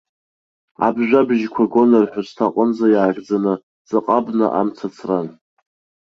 Аԥжәабжьқәа гон рҳәысҭа аҟынӡа иаагӡаны, ҵаҟа абна амца ацран.